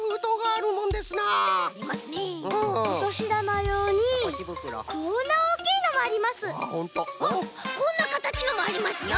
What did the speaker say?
あっこんなかたちのもありますよ。